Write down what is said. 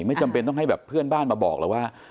ไม่จำเป็นต้องให้แบบเพื่อนบ้านมาบอกแล้วว่า